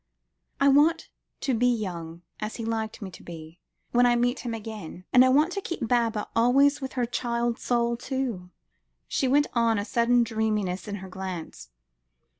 I want to be young as he liked me to be when I meet him again. And I want to keep Baba always with her child soul, too," she went on, a sudden dreaminess in her glance.